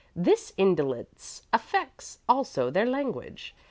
This indolence affects also their language.